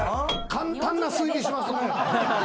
簡単な推理しますね。